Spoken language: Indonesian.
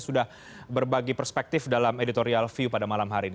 sudah berbagi perspektif dalam editorial view pada malam hari ini